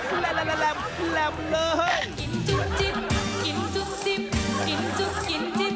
แหล่มแหล่มเลย